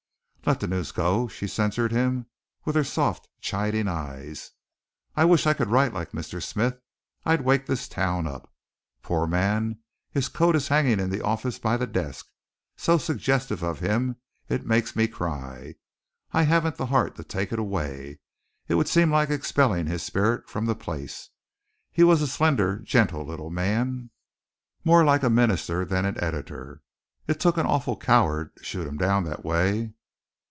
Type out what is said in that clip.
"Let the news go!" She censured him with her softly chiding eyes. "I wish I could write like Mr. Smith I'd wake this town up! Poor man, his coat is hanging in the office by the desk, so suggestive of him it makes me cry. I haven't had the heart to take it away it would seem like expelling his spirit from the place. He was a slender, gentle little man, more like a minister than an editor. It took an awful coward to shoot him down that way."